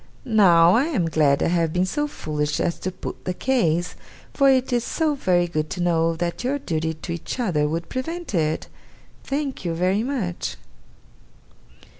Now, I am glad I have been so foolish as to put the case, for it is so very good to know that your duty to each other would prevent it! Thank you very much.